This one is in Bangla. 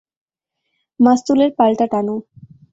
মাস্তুলের পালটা টানো!